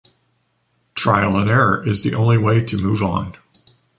Trial and error is the only way to move on.